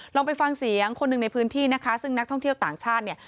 ลองไปฟังเสียงคนหนึ่งในพื้นที่นะคะซึ่งนักท่องเที่ยวต่างชาติเนี่ย